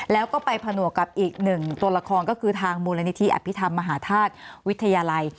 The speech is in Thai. แล้วก็ไปผนวกกับอีกหนึ่งตัวละครก็คือทางมูลนิธิอภิษฐรรมมหาธาตุวิทยาลัย